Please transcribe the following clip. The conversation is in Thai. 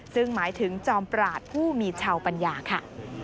ซึ่งหมายถึงจอมปราศผู้มีชาวปัญญาค่ะ